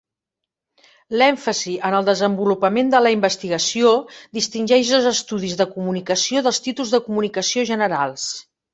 L'èmfasi en el desenvolupament de la investigació distingeix els estudis de comunicació dels títols de comunicació generals.